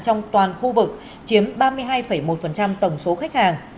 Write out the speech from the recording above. trong toàn khu vực chiếm ba mươi hai một tổng số khách hàng